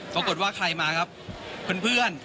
ปรากฏว่าใครมาครับเพื่อน